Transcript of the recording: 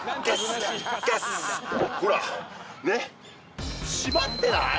ほらねっ締まってない？